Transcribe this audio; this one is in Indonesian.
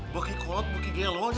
begitulah begitu saja